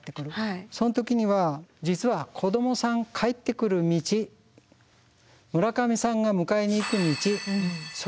その時には実は子どもさん帰ってくる道村上さんが迎えに行く道それを決めとかないといけない。